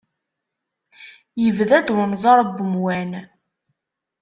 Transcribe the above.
Yebda-d unẓar n umwan.